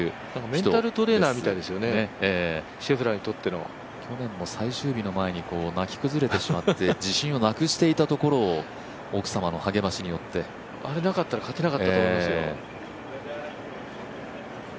メンタルトレーナーみたいですよね、シェフラーにとっての。去年も最終日の前に泣き崩れてしまって自信をなくしていたところを奥様のはげましによってあれなかったら勝てなかったと思いますよ。